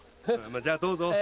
じゃあどうぞ。